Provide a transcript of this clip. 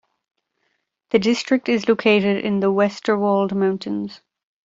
The district is located in the Westerwald mountains.